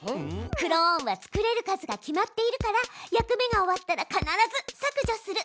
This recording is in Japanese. クローンは作れる数が決まっているから役目が終わったら必ず「削除する」をつけて。